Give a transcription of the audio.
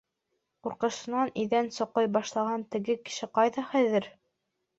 — Ҡурҡышынан иҙән соҡой башлаған теге кеше ҡайҙа хәҙер?